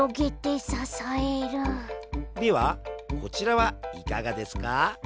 ではこちらはいかがですか？